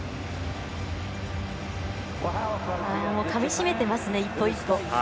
かみしめてますね一歩一歩。